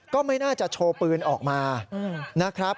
ก็ไม่น่าจะโชว์ปืนออกมานะครับ